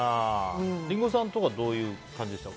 リンゴさんとかはどういう感じでした？